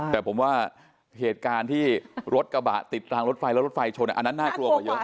แต่ผมว่าเหตุการณ์ที่รถกระบะติดรางรถไฟแล้วรถไฟชนอันนั้นน่ากลัวกว่าเยอะ